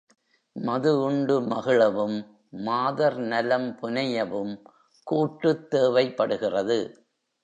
மதுஉண்டு மகிழவும், மாதர் நலம் புனையவும் கூட்டுத் தேவைப்படுகிறது.